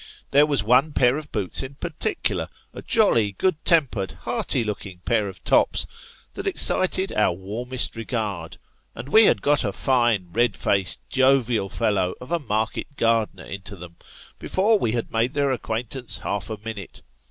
There was one pair of boots in particular a jolly, good tempered, hearty looking, pair of tops, that excited our warmest regard ; and we had got a fine, red faced, jovial fellow of a market gardener into them, before we had made their acquaintance half a minute.